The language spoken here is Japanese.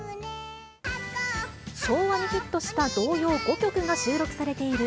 昭和にヒットした童謡５曲が収録されている